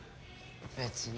別に。